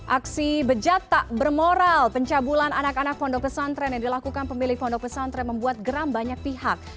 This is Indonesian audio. aksi bejat tak bermoral pencabulan anak anak pondok pesantren yang dilakukan pemilih pondok pesantren membuat geram banyak pihak